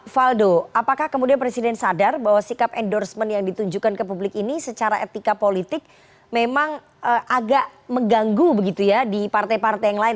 faldo apakah kemudian presiden sadar bahwa sikap endorsement yang ditunjukkan ke publik ini secara etika politik memang agak mengganggu begitu ya di partai partai yang lain